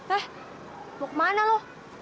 eh mau kemana lo